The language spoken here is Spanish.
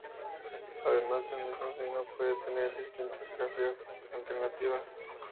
Además, un mismo signo puede tener distintas grafías alternativas.